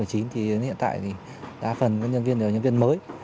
thì hiện tại đa phần nhân viên là nhân viên mới